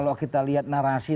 kalau kita lihat narasi